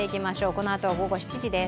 このあと午後７時です。